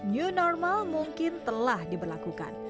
new normal mungkin telah diberlakukan